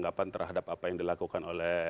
ada apa yang diperlukan